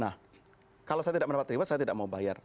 nah kalau saya tidak mendapat reward saya tidak mau bayar